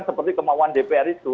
seperti kemauan dpr itu